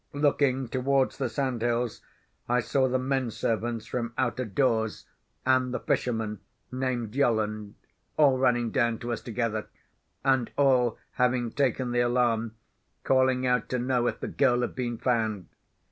Looking towards the sandhills, I saw the men servants from out of doors, and the fisherman, named Yolland, all running down to us together; and all, having taken the alarm, calling out to know if the girl had been found.